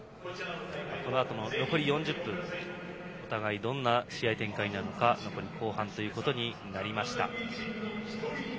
このあと残り４０分お互い、どんな試合展開になるか残り、後半だけとなりました。